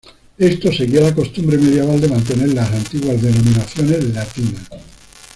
Esto seguía la costumbre medieval de mantener las antiguas denominaciones latinas.